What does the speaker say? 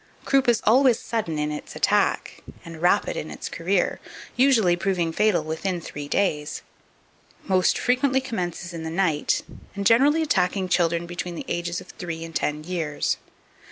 Croup is always sudden in its attack, and rapid in its career, usually proving fatal within three days; most frequently commences in the night, and generally attacking children between the ages of three and ten years.